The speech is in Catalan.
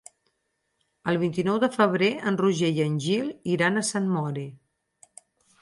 El vint-i-nou de febrer en Roger i en Gil iran a Sant Mori.